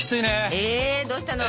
えどうしたの？